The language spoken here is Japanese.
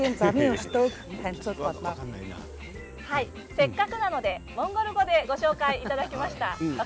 せっかくなのでモンゴル語でご紹介いただきました。